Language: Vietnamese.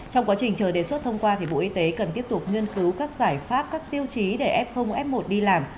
trong quá trình chờ đề xuất thông qua bộ y tế cần tiếp tục nghiên cứu các giải pháp các tiêu chí để f f một đi làm